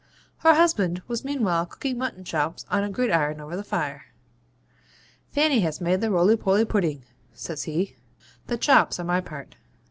Her husband 'was meanwhile cooking mutton chops on a gridiron over the fire. Fanny has made the roly poly pudding,' says he; the chops are my part.